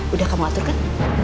udah kamu atur kan